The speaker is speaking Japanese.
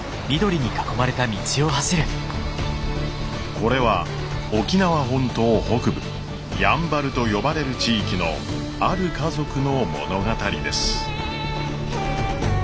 これは沖縄本島北部「やんばる」と呼ばれる地域のある家族の物語です。